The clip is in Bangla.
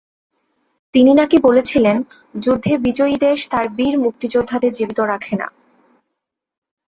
তিনি নাকি বলেছিলেন, যুদ্ধে বিজয়ী দেশ তার বীর মুক্তিযোদ্ধাদের জীবিত রাখে না।